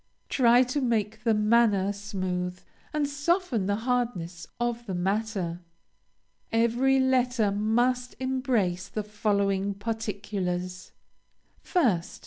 Try to make the manner smooth and soften the hardness of the matter. Every letter must embrace the following particulars: 1st.